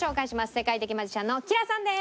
世界的マジシャンのＫｉＬａさんです。